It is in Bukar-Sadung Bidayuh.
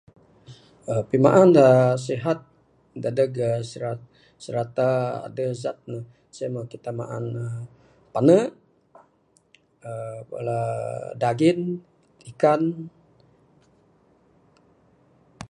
Pimaan da sihat dadeg uhh sirata adeh zat ne sien mah kita maan ne pane, uhh bala daging, ikan.